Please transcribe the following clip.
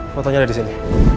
fotonya ada di sini